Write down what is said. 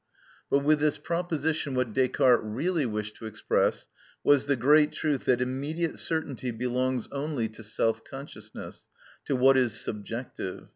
But with this proposition what Descartes really wished to express was the great truth that immediate certainty belongs only to self consciousness, to what is subjective.